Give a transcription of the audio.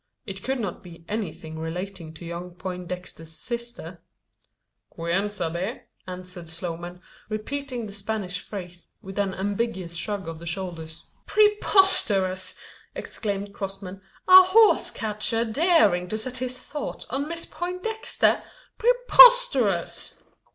It could not be anything relating to young Poindexter's sister?" "Quien sabe?" answered Sloman, repeating the Spanish phrase with an ambiguous shrug of the shoulders. "Preposterous!" exclaimed Crossman. "A horse catcher daring to set his thoughts on Miss Poindexter! Preposterous!"